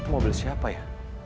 itu mobil siapa ya